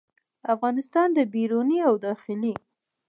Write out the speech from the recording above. د افغانستان د بیروني او داخلي